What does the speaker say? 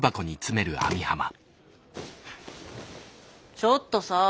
ちょっとさあ。